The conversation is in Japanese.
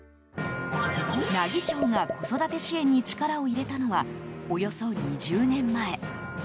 奈義町が子育て支援に力を入れたのはおよそ２０年前。